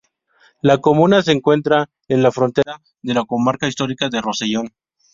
La comuna se encuentra en la frontera con la comarca histórica del Rosellón.